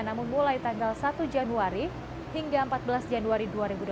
namun mulai tanggal satu januari hingga empat belas januari dua ribu dua puluh